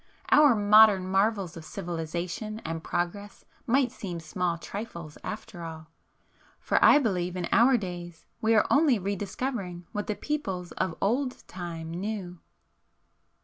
Our modern marvels of civilization and progress might seem small trifles after all,—for I believe in our days we are only re discovering what the peoples of old time knew."